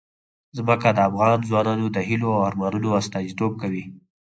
ځمکه د افغان ځوانانو د هیلو او ارمانونو استازیتوب کوي.